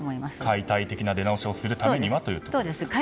解体的な出直しをするためにということですね。